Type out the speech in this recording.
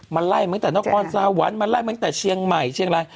มันไล่มาตั้งแต่นอกรสาหวันมันไล่มาตั้งแต่เชียงใหม่เชียงร้าย